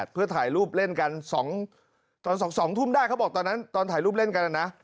เพื่อถ่ายรูปเล่นกันตอน๒ทุ่มได้เขาบอกตอนนั้นตอนถ่ายรูปเล่นกันนะ